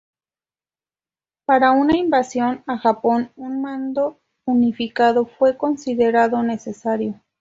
Para una invasión a Japón, un mando unificado fue considerado necesario.